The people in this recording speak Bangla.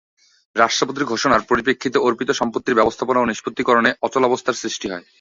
রাষ্ট্রপতির ঘোষণার পরিপ্রেক্ষিতে অর্পিত সম্পত্তির ব্যবস্থাপনা ও নিষ্পত্তিকরণে অচলাবস্থার সৃষ্টি হয়।